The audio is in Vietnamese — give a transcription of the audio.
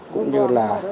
cũng như là